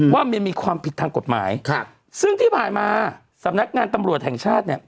ว่ามันมีความผิดทางกฎหมายครับซึ่งที่ผ่านมาสำนักงานตำรวจแห่งชาติเนี่ย